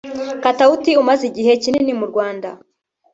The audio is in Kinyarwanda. Katauti umaze igihe kinini mu Rwanda